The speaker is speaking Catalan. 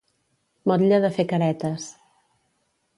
Motlle de fer caretes.